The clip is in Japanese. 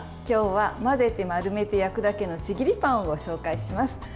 今日は、混ぜて丸めて焼くだけのちぎりパンを紹介します。